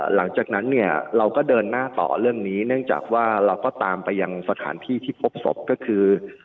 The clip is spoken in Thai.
หลังจากนั้นเนี่ยเราก็เดินหน้าต่อเรื่องนี้เนื่องจากว่าเราก็ตามไปยังสถานที่ที่พบศพก็คือ